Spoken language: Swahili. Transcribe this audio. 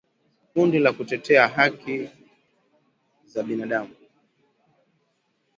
Kundi la kutetea haki za binadamu